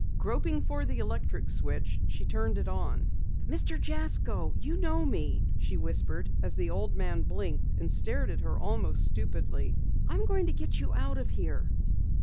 Groping for the electric switch, she turned it on. "Mr. Jasko, you know me," she whispered as the old man blinked and stared at her almost stupidly. "I'm going to get you out of here."